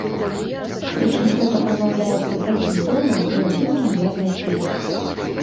Прычым гэта прамаўляецца такім тонам, як быццам я злачынец.